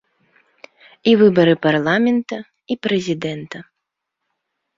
І выбары парламента, і прэзідэнта.